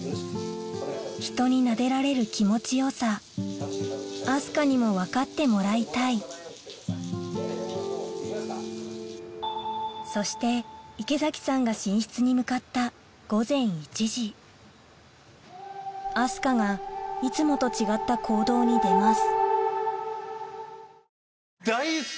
人になでられる気持ち良さ明日香にも分かってもらいたいそして池崎さんが寝室に向かった明日香がいつもと違った行動に出ます